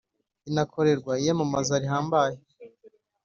inakorerwa iyamamaza rihambaye